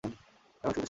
এটা অনেক শক্তিশালী।